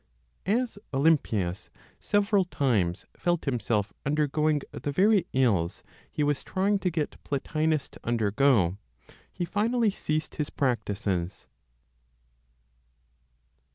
As Olympius several times felt himself undergoing the very ills he was trying to get Plotinos to undergo, he finally ceased his practices.